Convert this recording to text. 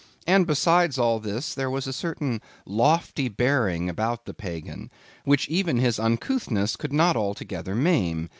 And besides all this, there was a certain lofty bearing about the Pagan, which even his uncouthness could not altogether maim.